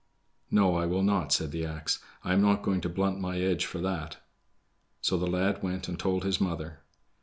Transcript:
"No, I will not," said the ax; "I am not going to blunt my edge for that." So the lad went and told his mother.